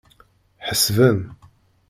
Ḥesben.